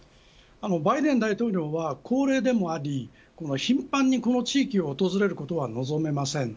バイデン大統領は高齢でもあり頻繁にこの地域を訪れることは望めません。